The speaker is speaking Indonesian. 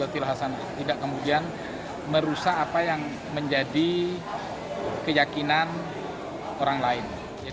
tidak kemudian merusak apa yang menjadi keyakinan orang lain